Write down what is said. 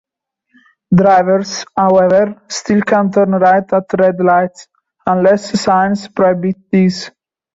Drivers, however, still can turn right at red lights, unless signs prohibit this.